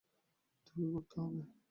তোকে ঘুরতে হবে।